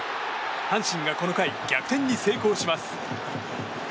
阪神がこの回逆転に成功します。